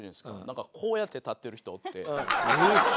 なんかこうやって立ってる人おって。